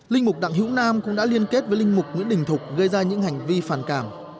linh mục đặng hữu nam cũng đã liên kết với linh mục nguyễn đình thục gây ra những hành vi phản cảm